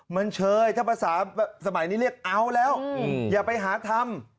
มันเชยถ้าภาษาสมัยนี้เรียกเอาแล้วอย่าไปหาทำ